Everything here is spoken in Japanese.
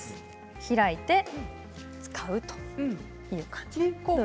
開いて使うという感じ。